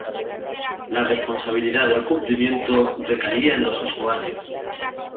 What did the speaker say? la responsabilidad del cumplimiento recaía en los usuarios